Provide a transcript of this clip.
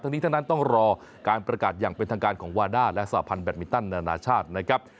ทั้งนี้ทั้งนั้นต้องรอการประกาศอย่างเป็นทางการของวาด้าและสาพันธ์แบตมินตันนานาชาตินะครับ